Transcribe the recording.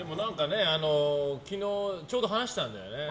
昨日、ちょうど話したんだよね。